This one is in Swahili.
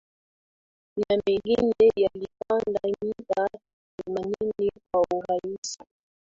na mengine yalipanda mita themanini kwa urahisi